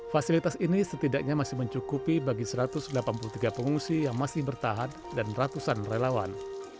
fasilitas ini setidaknya masih mencukupi bagi satu ratus delapan puluh tiga pengungsi yang masih bertahan dan ratusan relawan